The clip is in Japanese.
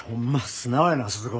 素直やな鈴子。